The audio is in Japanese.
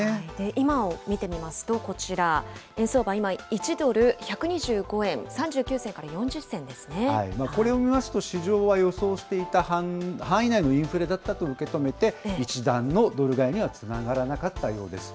今を見てみますとこちら、円相場、今、１ドル１２５円３９銭これを見ますと、市場は予想していた範囲内のインフレだったと受け止めて、一段のドル買いにはつながらなかったようです。